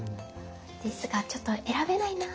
ですがちょっと選べないな。